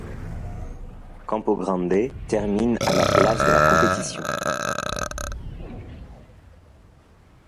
Campo Grande termine à la place de la compétition.